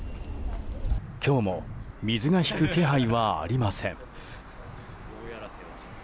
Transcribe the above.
今日も水が引く気配はありません。